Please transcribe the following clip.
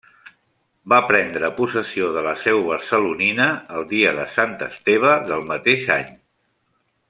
Va prendre possessió de la seu barcelonina el dia de Sant Esteve del mateix any.